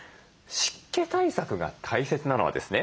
湿気対策が大切なのはですね